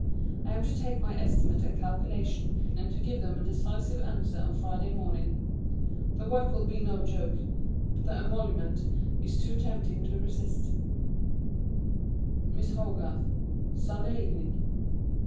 I am to make my estimate and calculation, and to give them a decisive answer on Friday morning. The work will be no joke, but the emolument is too tempting to resist. [Sidenote: The same.] _Sunday Evening.